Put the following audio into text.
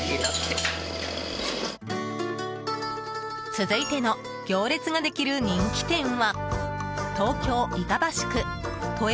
続いての行列ができる人気店は東京・板橋区都営